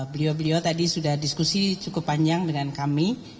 beliau beliau tadi sudah diskusi cukup panjang dengan kami